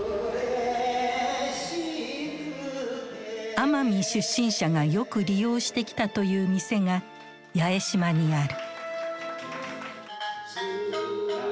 奄美出身者がよく利用してきたという店が八重島にある。